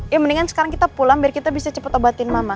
ya mendingan sekarang kita pulang biar kita bisa cepat obatin mama